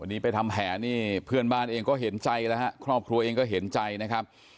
วันนี้ไปทำแผนนี่เพื่อนบ้านเองก็เห็นใจแล้วฮะครอบครัวเองก็เห็นใจนะครับ